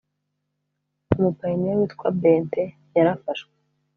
umupayiniya witwa bente yarafashwe.